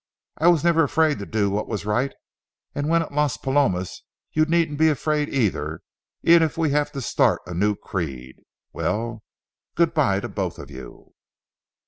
I was never afraid to do what was right, and when at Las Palomas you needn't be afraid either, even if we have to start a new creed. Well, good by to both of you."